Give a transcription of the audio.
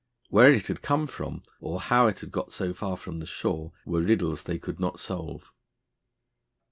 Where it had come from, or how it had got so far from the shore, were riddles they could not solve.